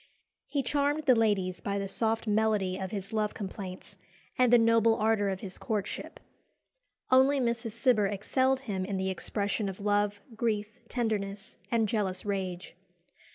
"He charmed the ladies by the soft melody of his love complaints and the noble ardour of his courtship." Only Mrs. Cibber excelled him in the expression of love, grief, tenderness, and jealous rage.